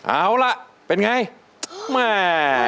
เอาล่ะเป็นอย่างไร